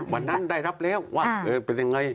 วันนั้นได้รับแล้วว่าเป็นยังไง